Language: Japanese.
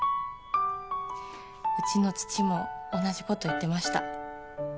うちの父も同じこと言ってました